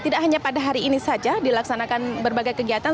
tidak hanya pada hari ini saja dilaksanakan berbagai kegiatan